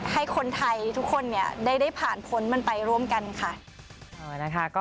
ให้คนไทยทุกคนได้ผ่านพ้นมันไปร่วมกันค่ะ